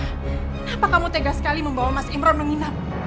kenapa kamu tegas sekali membawa mas imron menginap